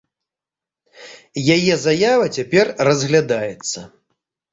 Яе заява цяпер разглядаецца.